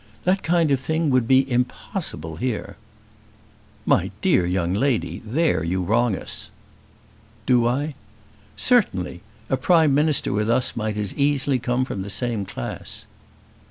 That kind of thing would be impossible here." "My dear young lady, there you wrong us." "Do I?" "Certainly! A Prime Minister with us might as easily come from the same class."